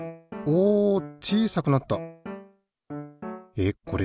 えっこれ